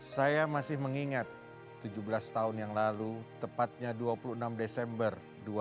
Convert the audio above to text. saya masih mengingat tujuh belas tahun yang lalu tepatnya dua puluh enam desember dua ribu dua puluh